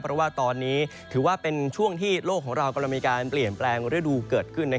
เพราะว่าตอนนี้ถือว่าเป็นช่วงที่โลกของเรากำลังมีการเปลี่ยนแปลงฤดูเกิดขึ้น